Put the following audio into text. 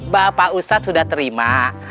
bapak ustadz sudah terima